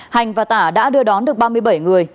hành và tả đã đưa đón được ba mươi bảy người